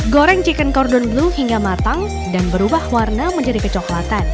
goreng chicken cordon blue hingga matang dan berubah warna menjadi kecoklatan